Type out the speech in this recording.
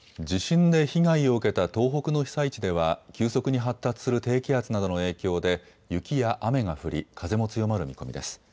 地震で被害を受けた東北の被災地では急速に発達する低気圧などの影響で雪や雨が降り風も強まる見込みです。